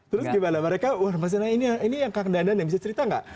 terus gimana mereka wah maksudnya ini yang kang dadan yang bisa cerita nggak